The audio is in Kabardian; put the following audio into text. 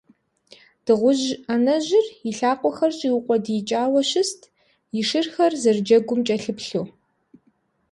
Дыгъужь анэжьыр и лъакъуэхэр щӀиукъуэдиикӀауэ щыст, и шырхэр зэрыджэгум кӀэлъыплъу.